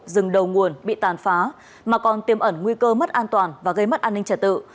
rừng đầu nguồn bị tàn phá mà còn tiêm ẩn nguy cơ mất an toàn và gây mất an ninh trả tự